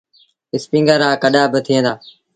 اسپيٚنگر رآ ڪڏآ با ٿئيٚݩ دآ۔